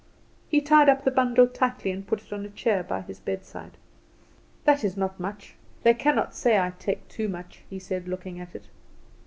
He tied up the bundle tightly and put it on a chair by his bedside. "That is not much; they cannot say I take much," he said, looking at it.